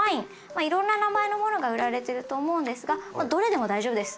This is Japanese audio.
まあいろんな名前のものが売られてると思うんですがもうどれでも大丈夫です。